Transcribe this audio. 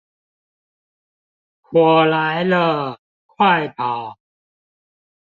火來了，快跑